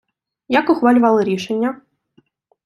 Як ухвалювали рішення?